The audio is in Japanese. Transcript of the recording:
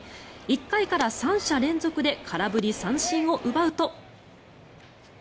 １回から３者連続で空振り三振を奪うと。